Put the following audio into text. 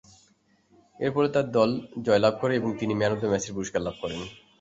এরফলে তার দল জয়লাভ করে ও তিনি ম্যান অব দ্য ম্যাচের পুরস্কার লাভ করেন।